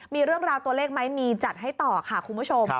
มีเรื่องราวตัวเลขไหมมีจัดให้ต่อค่ะคุณผู้ชม